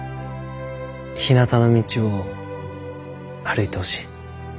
ひなたの道を歩いてほしい。